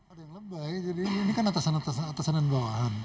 ada yang lebay jadi ini kan atasan atasan dan bawahan